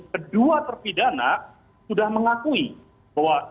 kedua terpidana sudah mengakui bahwa